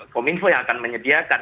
kominfo yang akan menyelenggarakan